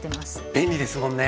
便利ですもんね。